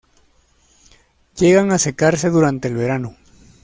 Llegan a secarse durante el verano.